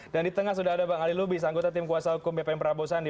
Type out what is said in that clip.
dan di tengah sudah ada bang ali lubis anggota tim kuasa hukum bpn prabowo sandi